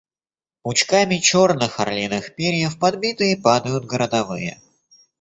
Пучками черных орлиных перьев подбитые падают городовые.